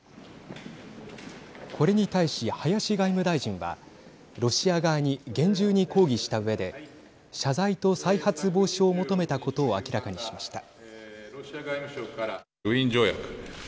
これに対し林外務大臣はロシア側に厳重に抗議したうえで謝罪と再発防止を求めたことを明らかにしました。